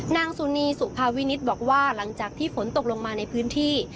นางสุนีสุภาวินิตบอกว่าหลังจากที่ฝนตกลงมาในพื้นที่